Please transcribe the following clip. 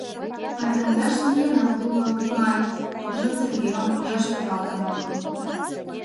Латкандаш ниянат уло, маныт, тудыжым Сергейлан ужаш пӱралтын огыл.